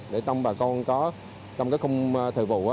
để trong bà con có trong cái khung thời vụ